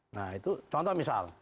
nah itu contoh misal